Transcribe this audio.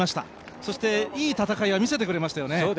そして、いい戦いをみせてくれましたね。